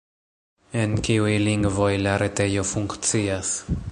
En kiuj lingvoj la retejo funkcias?